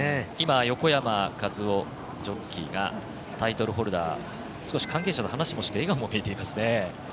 横山和生ジョッキーがタイトルホルダー少し関係者と話をして笑顔も見えていますね。